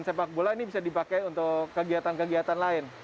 sepak bola ini bisa dipakai untuk kegiatan kegiatan lain